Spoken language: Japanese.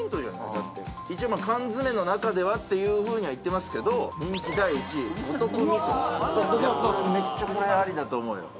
だって一応まあ缶詰の中ではっていうふうには言ってますけど人気第１位五徳みそ僕は多分めっちゃこれありだと思うよ